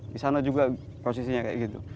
di sana juga posisinya kayak gitu